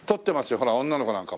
ほら女の子なんかも。